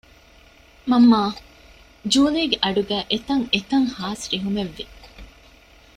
މަންމާ ޖޫލީގެ އަޑުގައި އެތަށްއެތަށް ހާސް ރިހުމެއްވި